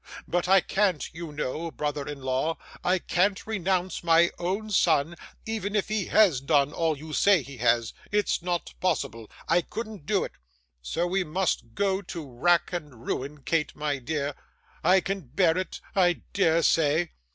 But I can't, you know, brother in law, I can't renounce my own son, even if he has done all you say he has it's not possible; I couldn't do it; so we must go to rack and ruin, Kate, my dear. I can bear it, I dare say.